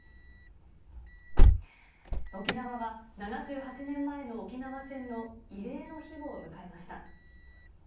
沖縄は７８年前の沖縄戦の慰霊の日を迎えました。